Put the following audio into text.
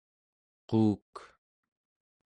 quuk